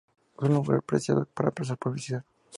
Son un lugar preciado para emplazar publicidad.